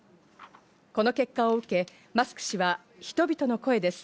この結果を受けマスク氏は、人々の声です。